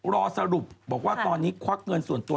รอสรุปบอกว่าตอนนี้ควักเงินส่วนตัว